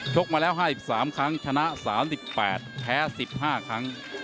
กมาแล้ว๕๓ครั้งชนะ๓๘แพ้๑๕ครั้ง